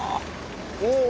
おお！